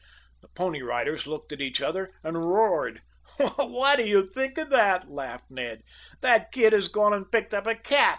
The Pony Riders looked at each other and roared. "Well, what do you think of that?" laughed Ned. "That kid has gone and picked up a cat.